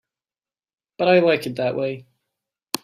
But I like it that way.